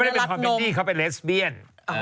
เขาไม่จำเป็นหอมแม่็ดดี้เขาเป็นเลสบี้ยน